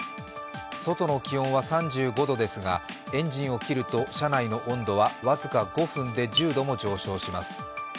外の気温は３５度ですがエンジンを切ると車内の温度は僅か５分で１０度も上昇します。